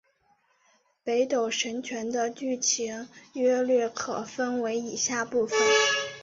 北斗神拳的剧情约略可分为以下部分。